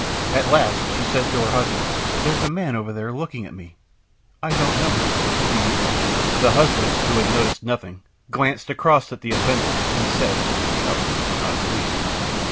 At last she said to her husband: "There's a man over there looking at me. I don't know him; do you?" The husband, who had noticed nothing, glanced across at the offender, and said: "No; not in the least."